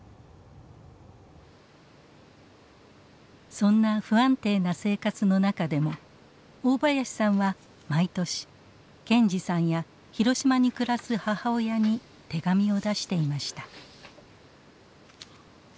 そんな不安定な生活の中でも大林さんは毎年健二さんや広島に暮らす母親に手紙を出していました。